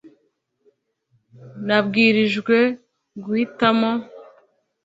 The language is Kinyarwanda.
Nabwirijwe guhitamo